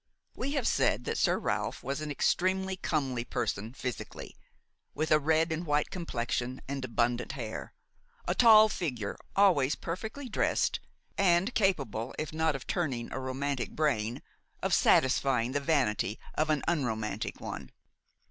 We have said that Sir Ralph was an extremely comely person, physically; with a red and white complexion and abundant hair, a tall figure, always perfectly dressed, and capable, if not of turning a romantic brain, of satisfying the vanity of an unromantic one.